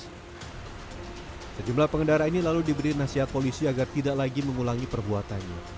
hai sejumlah pengendara ini lalu diberi nasihat polisi agar tidak lagi mengulangi perbuatannya